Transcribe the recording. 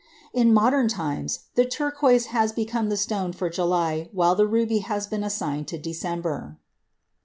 In modern times the turquoise has become the stone for July while the ruby has been assigned to December.